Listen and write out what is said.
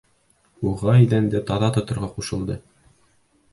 Уға иҙәнде таҙа тоторға ҡушылды.